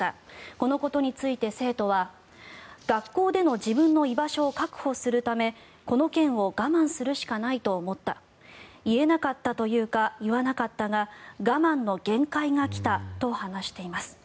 このことについて生徒は学校での自分の居場所を確保するためこの件を我慢するしかないと思った言えなかったというか言わなかったが我慢の限界が来たと話しています。